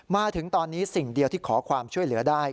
มาถึงตอนนี้สิ่งเดียวที่ขอความช่วยเหลือได้